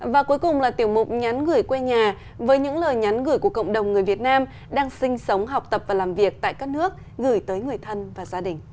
và cuối cùng là tiểu mục nhắn gửi quê nhà với những lời nhắn gửi của cộng đồng người việt nam đang sinh sống học tập và làm việc tại các nước gửi tới người thân và gia đình